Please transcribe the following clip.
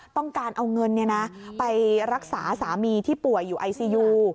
ต้องการเอาเงินไปรักษาสามีที่ป่วยอยู่ไอซียู